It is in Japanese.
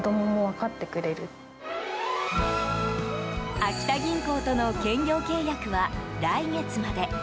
秋田銀行との兼業契約は来月まで。